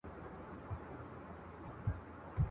هغه مټي چي حساب یې وي پر کړی !.